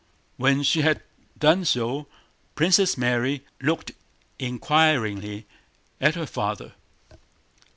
When she had done so Princess Mary looked inquiringly at her father.